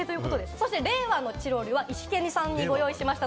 そして令和のチロルはイシケンさんにご用意しました。